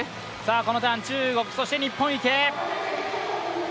このターン、中国、そして日本・池江。